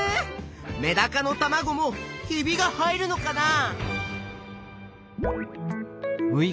メダカのたまごもひびが入るのかな？